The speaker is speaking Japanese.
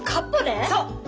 そう！